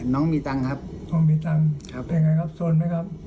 น้องมีตังค์ครับน้องมีตังค์ครับเป็นไงครับโซนไหมครับ